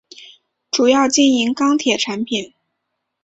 主要经营钢铁产品。